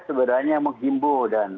sebenarnya menghimbau dan